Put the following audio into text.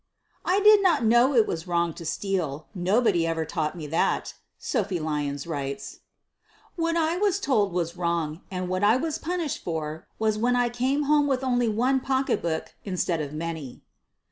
"I did not know it was wrong to steal ; nobody every taught me that," Sophie Lyons writes. "What I was told 7 8 INTRODUCTION was wrong and what I was punished for was when I came home with only one pocketbook instead of many."